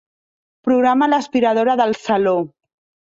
Programa l'aspiradora del saló.